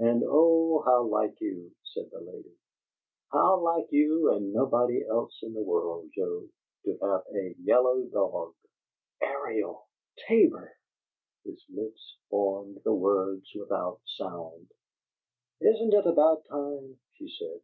"And, oh, how like you," said the lady; "how like you and nobody else in the world, Joe, to have a yellow dog!" "ARIEL TABOR!" His lips formed the words without sound. "Isn't it about time?" she said.